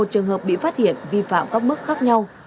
một mươi một trường hợp bị phát hiện vi phạm các mức khác nhau